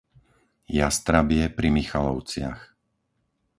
Jastrabie pri Michalovciach